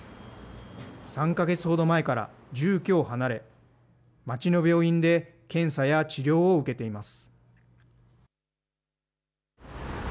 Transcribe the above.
３か月ほど前から住居を離れ、街の病院で検査や治療を受けています。